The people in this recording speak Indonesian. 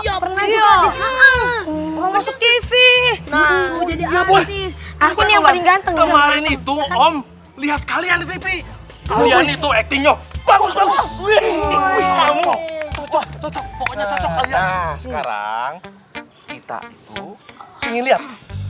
jadi artis aku yang ganteng itu om lihat kalian itu